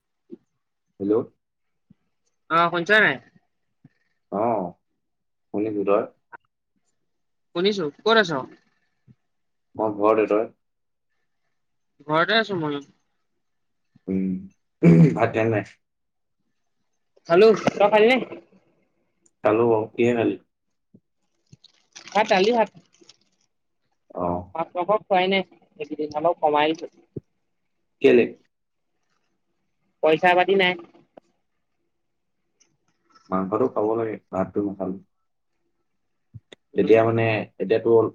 [inaudible] Hello. অ শুনিছ নাই? অ শুনিছো, তই? শুনিছো। ক'ত আছ? মই ঘৰতে। তই? ঘৰতে আছো মইও। উম ভাত [unintelligible] নাই। খালো। তই খালি নে? খালোঁ বাও। কিহে খালী? ভাত দালি শাক, অ মাছ মাংস খুৱাই নাই এইকেইদিন অলপ কমাইদিলোঁ। কেলে? পইচা পাতি নাই। মাংসটো খাব লাগে, ভাতটো নাখালো। তেতিয়া উম মানে এতিয়াতো হ'ল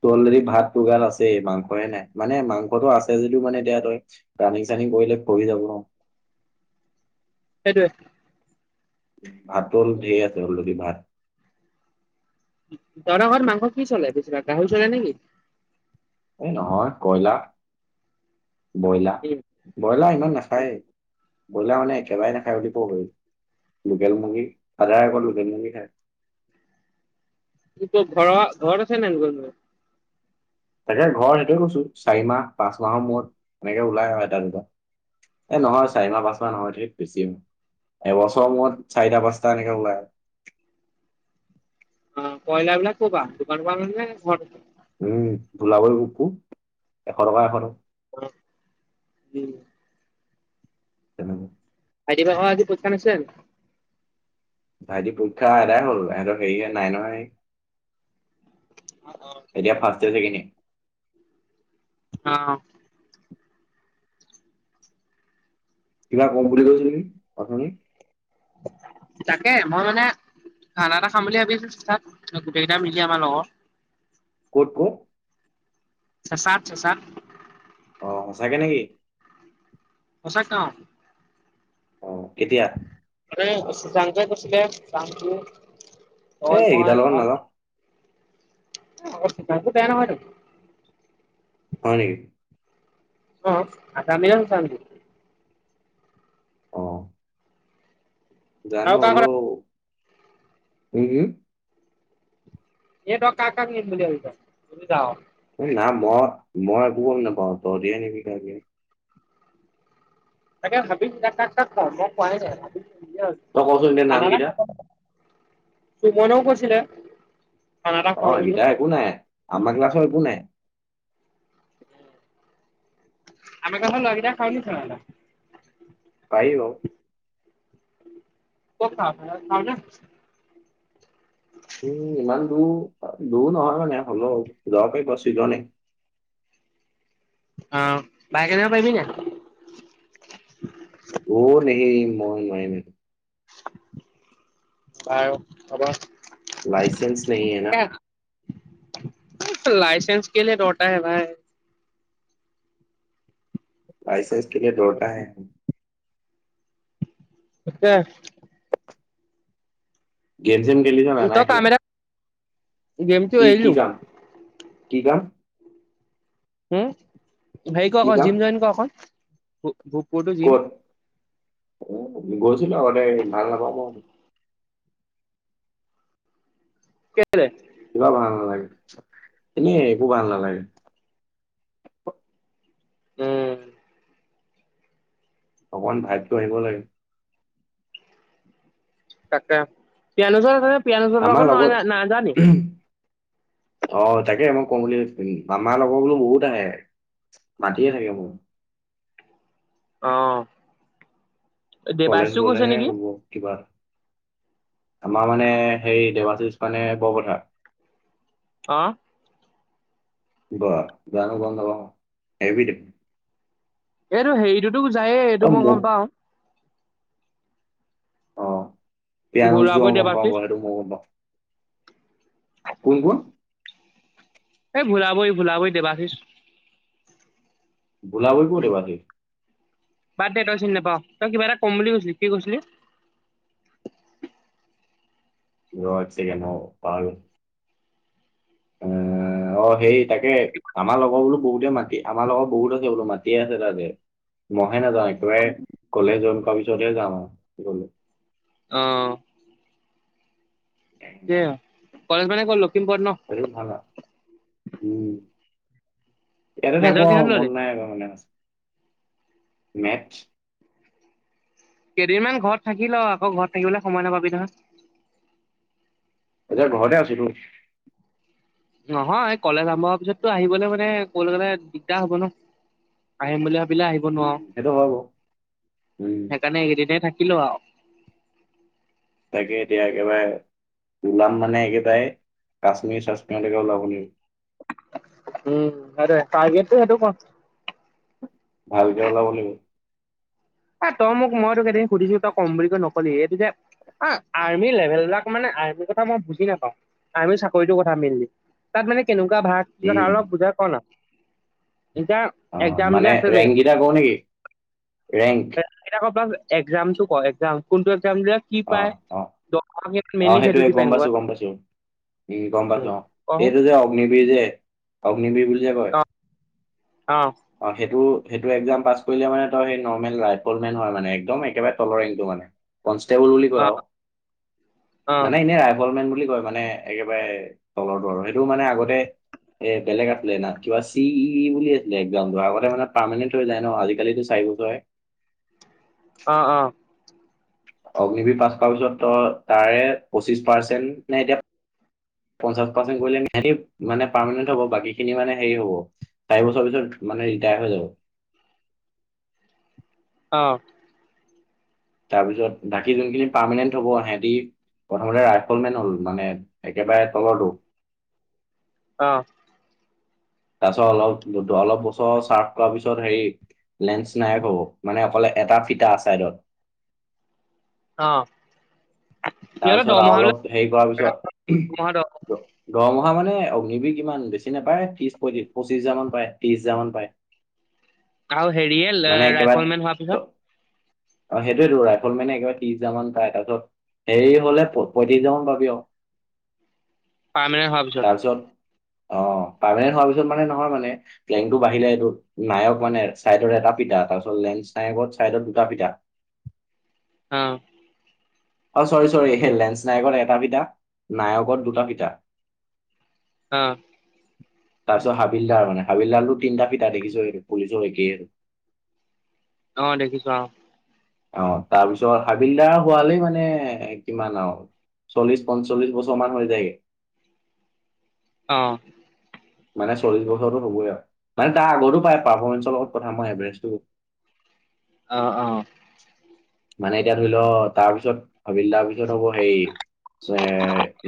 ত অলৰেদি ভাত গাত আছেই, মাংসহে নাই মানে মাংসটো আছে যদিটো মানে দিয়া তই ৰানিং চানিং কৰিলে খহি যাব ন। সেইটোৱে। ভাতৰল ঢেৰ আছে অলৰেডি ভাত [unintelligible] দৰাঙৰ মাংস কি চলে বেছিভাগ গাহৰি চলে নেকি? এই নহয় কয়লাৰ বইলাৰ উম ব্ৰইলাৰ ইমান নাখায়। উম বইলাৰ মানে একেবাৰে নাখাই বুলি কব পাৰি। লোকেল মুৰ্গী আধা এক লোকেল মুৰ্গী খাই। কি তোৰ ঘৰ ঘৰত আছে নে ব ম। তাকে ঘৰ সেইটোৱে কৈছো চাৰি মাহ পাঁচ মাহৰ মূৰত এনেকে ওলাই আহ এটা দুটা। এ নহয় চাৰি মাহ পাঁচ মাহ নহয়, ধেৎ বেছিএ। এবছৰ মূৰত চাৰিটা পাঁচটা এনেকে ওলায় আহ। [inaudible] অ কয়লা বলাক কৰ পৰা দোকান নে ঘৰ। উম ধোল কৰি কো এশ টকা এশ টকা [unintelligible] অ উ। তেনো [unintelligible] আৰদি বা আজি পৰীক্ষা নাছিলে জানোঁ [unintelligible] ভাইটি পৰীক্ষা এদাই হ'ল হেঁতৰ হেৰিহে নাইনৰ হে [unintelligible] জানো এতিয়া ফাৰ্ষ্টে ছেকেণ্ডাৰী [unintelligible] অ [unintelligible] কিবা ক‌ওঁ বুলি কৈছিলে কি অথনি [unintelligible] তাকে মই মানে [unintelligible] খানা এটা খাম বুলি ভাবি আছো তাত গোটেই কেইটা মিলি আমাৰ লগৰ [unintelligible] কত-কত চেচান-চেচান [unintelligible] অ সচাকে নেকি? [unintelligible] সছা কাম [unintelligible] অ কেতিয়া [unintelligible] শচাংই কৈছিলে এ ত‌ই মই এইকেইটাৰ লগত আৰু নাযাওঁ [unintelligible] [unintelligible] বেয়া নহয়টো হয় নেকি? [unintelligible] অ আটা আমিল চাল [unintelligible] অঁ [unintelligible] আৰু জানো কাৰ হল কথা [unintelligible] উম [inaudible] এইটো কাক-কাক নিম বুলি ভাবিছ দুইটাও [unintelligible] না মই-ম‌ই একো গম নপাও তহঁতি হে নিবি [unintelligible] তাকে ভাবিছোঁ এতিয়া কাক-কাক ক‌ওঁ মই কোৱাই নাই তই কচোন এতিয়া নামকেইটা [unintelligible] সুমনেও কৈছিলে [unintelligible] অ খাওঁ বুলি গীতা একো নাই আমাৰ ক্লাছৰ একো নাই [unintelligible] আমি ক্লাছৰ ল'ৰাকেইটাই খাওঁ [unintelligible] পাৰি অ [unintelligible] কত খাৱ [unintelligible] খাৱ নে? [unintelligible] দূৰ নহয় মানে হ'লেও যাব পশ্চিছজনে [unintelligible] অঁ বাইক আনিব পাৰিবি নাই [unintelligible] অ দেহি মই নোৱাৰিম [unintelligible] [unintelligible] বাৰু হ'ব [unintelligible] লাইচেঞ্চ নাহি হে না [unintelligible] লাইচেঞ্চ কেলে [unintelligible] হে ভাই লাইচেঞ্চ কেলে লৌটা হে [unintelligible] এছে [unintelligible] গেম যেন গেল জানা তই নাইকল কাম [unintelligible] এটা গেমটো কি কি এৰিলো কাম [unintelligible] কি কাম? [unintelligible] উম, হেৰি কি কৰ ক' কাম জিম জইন কৰ ক' কত [inaudible] গৈছিলো আগতে ভাল নাপাওঁ মই [unintelligible] কিবা ভাল নালাগে এনেই একো ভাল নালাগে। উম অকনমান ভাগ্য আহিব লাগে। তাকে [unintelligible] আমাৰ লগত [unintelligible] অহ তাকে মোক কম বুলি [unintelligible] মামাৰ লগৰবোৰ বহুত আহে মাতিয়ে থাকে মোক [inaudible] অহ কলেজ গলেহে হব কিবা আমাৰ মানে হেৰি দেবাশিচ মানে বৰ পথাৰ অহ বাহ [unintelligible] আহিবি দে এইটো হেৰিটোতো যায়ে অ এইটো মই মোৰ গম পাওঁ। পিয়ানচ যোৱা ভোলাবৈ গম পাওঁ দেৱাশিষ সেইটো মইও গম পাওঁ। কোন -কোন? এই ভোৰাবৰি ভুলাবৰি দেবাচিছ ভুলাবৰি কৰ দেবাচিছ? বাদ দে তই চিনি নাপাও তই কিবা এটা কম বুলি কৈছিলি কি কৈছিলি? [inaudible] ৰহ এক ছেকেণ্ড ৰহ বাল। উম, অহ সেই তাকে আমাৰ লগৰ বোলো বহুত মাটি, আমাৰ লগত বহুত আছে বোলো মাটিয়ে আছে তাতে। নাই নাযাওঁ একেবাৰে গ'লে জইন কৰা পিছতহে যাম আৰু গ'লে। অ', কে কলেজ মানে কত লখিমপুৰত ন [unintelligible] ভালা উম। ইয়াতে থাকব মেজৰ আৰু কিহত ললি মন নাই এনেকুৱা মানে কৈছে মেথছ কেইদিনমান ঘৰত থাকি ল' আকৌ ঘৰত থাকিবলৈ সময় নাপাবি নহয় এতিয়া ঘৰতে আছো তো নহয় কলেজ আৰম্ভ হোৱাৰ পিছততো আহিবলে মানে কলৈ গ'লে দিগদাৰ হব ন'। আহিম বুলি ভাবিলে আহিব নোৱাৰো সেইটো হয় বাৰু উম সেইকাৰণে এইকেইদিনয়েই থাকি থাকি লওঁ আও। তাকে এতিয়া একেবাৰে ওলাম মানে একেটাই কাশ্মীৰ- চাস্মিৰ লৈকে ওলাব দিম। উম, সেইটোৱে তাৰগেটটো সেইটো কৰ। ভালকে ওলাব লাগিব। এ তই মোক মই তোক কেইদিন সুধিছো তই কম বুলি কৈ নকলি এইটো যে অ', আৰ্মি লেভেল বিলাক মানে আৰ্মিৰ কথা মই বুজি নাপাওঁ আৰ্মি চাকৰিটোৰ কথা মেইনলি তাত মানে কেনেকুৱা ভাগ কি কথা উম অলপ বুজাই ক' না এতিয়া অহ, এক্জাম যে মানে আছে ৰেংক কিতা কও নেকি? ৰেংক [unintelligible] একজামো টো ক ' একজাম কোনটো একজা অ অ [unintelligible] কি গম পাত ন'এইটো যে অগ্নিবীৰ যে অগ্নিবীৰ বুলি যে কয় অ অহ, সেইটো সেইটো এক্জাম পাছ কৰিলে মানে তই সেই নৰ্মেল ৰাইফল মেন হয় মানে একদম একেবাৰে তলৰ ৰেংটো মানে টেবুল বুলি কয় অ অ আৰু অ অ মানে এনেই ৰাইফল মেন বুলি কয়। মানে একেবাৰে তলৰটো আৰু সেইটো মানে আগতে এ বেলেগ আছিলে না কিবা চি ই ই বুলি আছিলে একদম আগতে মানে পাৰমেনেন্ট হৈ যায় ন'আজিকালিটো কি বুলি কয় অ অ অগ্নিবিৰ পাছ কৰাৰ পিছত ত তাৰে পঁচিশ পাৰ্চেন্ট নে এতিয়া পঞ্চাশ পাৰ্চেণ্ট কৰিলে মানে পাৰমানেণ্ট হব বাকী খিনি মানে হেৰি হ'ব চাৰি বছৰ পিছত মানে ৰিটাই হৈ যাব [inaudible] অ তাৰপিছত বাকি যোনখিনি পাৰমানেন্ট হ'ব সিহঁতি প্ৰথমতে ৰাইফল মেন হল মানে একেবাৰে তলৰটো অ তাৰপিছত অলপ অলপ বছৰ চাৰ্ফ কৰাৰ পিছত হেৰি লেন্স নাইক হ'ব মানে অকলে এটা ফিটা আ চাইডত অ তাৰপিছত আৰু অলপ হেৰি কৰাৰ পিছত গৰম ক মানে অগ্নিবিৰ ইমান বেছি নাপায় ত্ৰিশ পঁইত্ৰিশ পঁচিছ হাজাৰ মান পায় ত্ৰিশ হাজাৰ মান পায়। আৰু হেৰিয়ে ৰাইফল মেন হোৱাৰ পিছত অ সেইটোয়েতো ৰাইফল মেনে একেবাৰে ত্ৰিছ হাজাৰ মান পায় তাৰ পিছত সে হলে পঁয়ত্ৰিশ হাজাৰ মান পাবি আক পামেনেন্ট হোৱা পাছত। অ পাৰমানেন্ট হোৱাৰ পিছত মানে নহয় মানে প্লেংটো বাঢ়িলে এইটো নায়ক মানে চাইডৰ এটা। পিঠা তাৰপিছত লেনছ চাইডত দুটা ফিঠা। অহ অ চৰি চৰি সেই লেন্স নায়কত এটা ফিটা নায়কত দুটা ফিটা। অ। তাৰপিছত হাবিলদাৰ মানে হাবিলদাৰটো তিনিটা ফিতা দেখিছই পুলিচৰ একেই আৰু। অ দেখিছো অ। অ তাৰ পিছত হাবিলদাৰ হোৱালে মানে মানে কিমান আৰু চল্লিশ পঞ্চল্লিশ বছৰ মান হৈ যায়গে। অহ। মানে চল্লিশ বছৰতো হ'বই আও মানে তাৰ আগতো পায় পাৰফৰ্মেঞ্চ লগত কথা মই এভাৰেজটো অ অ মানে এতিয়া ধৰি ল তাৰপিছত‌ হাবিলদাৰ পিছত হ'ব সেই এ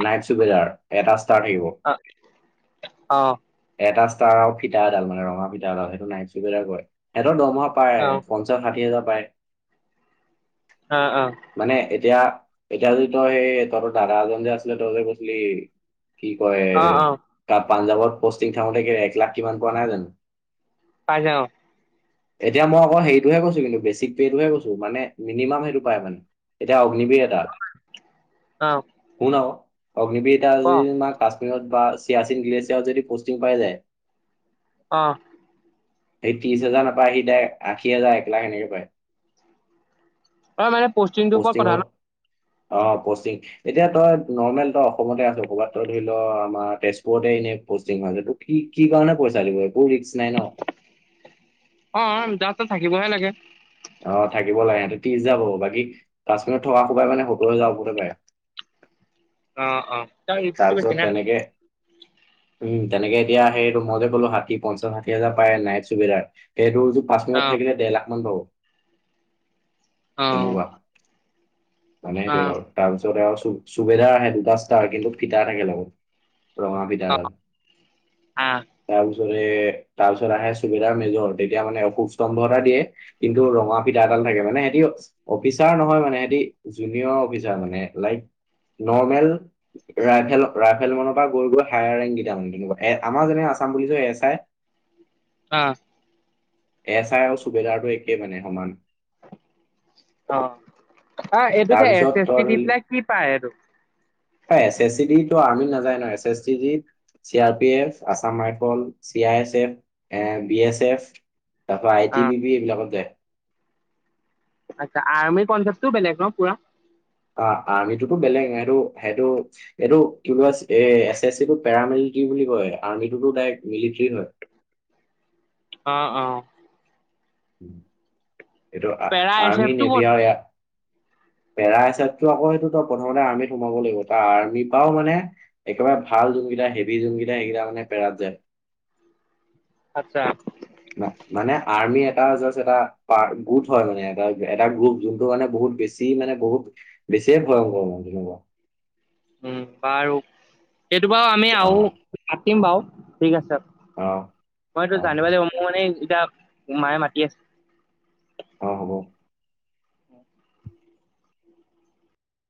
নাইট চুপেজাৰ এটা ষ্টাৰ্ট আহিব। অ অ অ এটা ষ্টাৰ আৰু ফিটা এডাল মানে ৰঙা ফিটাডাল সেইটো নাইচ বেদাৰ কৰে সিহঁত দৰমহা পাই পঞ্চাশ ষাঠি হাজাৰ পাই অ অ মানে, এতিয়া এতিয়া যে তই সেই তহঁতৰ দাদা এজন যে আছিলে তই যে কৈছিলি কি কয় অ অ ক পাঞ্জাৱত পষ্টিং থাকোতে কি এক লাখ কিমান পোৱা নাই জানো। পাইছে অ এতিয়া মই আকৌ সেইটোহে কৈছো কিন্তু বেছিক পেটোহে কৈছো মানে মিনিমাম সেইটো পাই মানে এয়া অগ্নিবৰ এটা অ শুন আক অগ্নিবিৰ এটা ক অ যদি কাশ্মীৰত বা চিয়াচিন গ্লেছিয়াৰত যদি পষ্টিং পাই যায় অ সেই ত্ৰিশ হেজাৰ নাপায় সি দাৰেক আশী হাজাৰ একলাখ এনেকৈ পায়। অ মানে পষ্টিংটোৰ ওপৰত কথা পষ্টিঙৰ ন। অ পষ্টিং এতিয়া তই নৰ্মেল তই অসমতে আছ কবাত ধৰি ল আমাৰ তেজপুৰতে এনেই পষ্টিং হৈ যদি কি কাৰণে পইচা দিব একো ৰিস্ক নাই ন। অ জাষ্ট তাত থাকিবহে লাগে অ থাকিব লাগে সিহঁতে ত্ৰিশ হাজাৰ পাব বাকী কাশ্মীৰত থকা সোপাই মানে সওৰ হাজাৰ ওপৰতে পাই। অ অ তাৰ গছে তাৰপিছত ন তেনেকে উম তেনেকে এতিয়া সেইটো মই যে ক'লো ষাঠি, পঞ্চাশ, ষাঠি, হাজাৰ পাৰে নাইট চুবেদাৰ সেইটো পাঁচ অ মিনট থাকিলে ডেৰলাখ মান পাব। অ তেনেকুৱা মানে অ সটো আৰু তাৰপিছত আৰু চুবেধা আহে দু দচটা কিন্তু ফিটা থাকে লগত। ৰঙা ফিদা অ এডাল আহ তাৰ তাৰপিছত আহে চুবেদাৰ মেজৰ তেতিয়া মানে অশুভ স্তম্ভ এটা দিয়ে কিন্তু ৰঙা ফিঠা এটা থাকে মানে সহতি অফিচাৰ নহয় মানে সিহতি জুনিয়ৰ অফিচাৰ মানে লাইক নৰ্মেল। ৰাইভেল ৰাইভেল মনৰ পৰা গৈ গৈ হায়াৰ ৰেংকেইটামানে তেনেকুৱা এ আমাৰ যেনে আছাম বুলিছ এছ আই। আহ। এচ আই আৰু চুবেদাৰটো একেই মানে সমান। অ। অ এইটো যে এছ তাৰপিছত এছ পি তই দি ধৰি পেলাক কি পায় এইটো। এছ এছ চি ডি আমি নাযায় ন এছ এছ চি ডিত C, R P F Assam rifle C I S F A B S F. তাৰপৰা আই অ টি বি এইবিলাকত দে। আচ্ছা আৰ্মি কনচপ্টটো বেলেক ন পুৰা। অ আৰ্মিটোতো বেলেগ এইটো সেইটো এইটো কি বুলি এ এছ এছ চি টো পেৰামিল। বুলি কয় আৰ্মী টো ত দাৰেক্ত মিলিটী হয়। [unintelligible] অ অ। এইটো আৰ্মি নেভিয়ায়া। উ [unintelligible] পেৰা এচতো আকৌ সেইটো ত প্ৰথমতে আৰ্মিত সোমাব লাগিব ত আৰ্মিৰ পৰাও মানে একেবাৰে ভাল। যা হেভি যোনা সেইগিলা মানে পেৰা যায় আচ্ছা। মানে আৰ্মি এটা জাষ্ট এটা গুট হয় মানে এ এটা গ্ৰুপ যোনটো মানে বহুত। বহুত বেছি মানে বহুত বেছিয়ে ভয়ংকৰ মন্ত্ৰী নক। উম বাৰু। এইটো বাৰু আমি অ আহ পতিম বাৰু ঠিক আছে। অ মইতো অ জানিবা লাগ মোৰ মানে এতিয়া মায়ে মাতি আছে। অ হ'ব।